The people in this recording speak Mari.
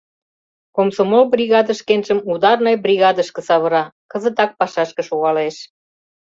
Комсомол бригаде шкенжым ударный бригадышке савыра, кызытак пашашке шогалеш.